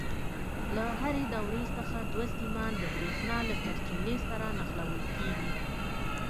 له هرې دورې څخه دوه سیمان د برېښنا له سرچینې سره نښلول کېږي.